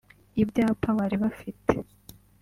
Ibyapa bari bafite